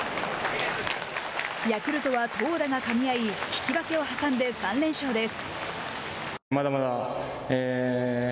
ヤクルトは投打がかみ合い引き分けを挟んで３連勝です。